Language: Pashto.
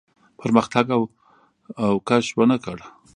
پرمختګ او کش ونه کړ.